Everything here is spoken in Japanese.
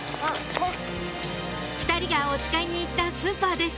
２人がおつかいに行ったスーパーです